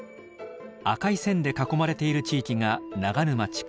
赤い線で囲まれている地域が長沼地区。